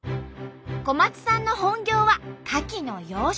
小松さんの本業はかきの養殖。